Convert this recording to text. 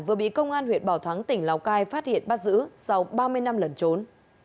vừa bị công an huyện bảo thắng tỉnh lào cai phát hiện bắt giữ sau ba mươi năm lần trốn